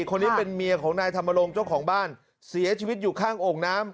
คนนี้เป็นเมียของนายธรรมรงค์เจ้าของบ้านเสียชีวิตอยู่ข้างโอ่งน้ำ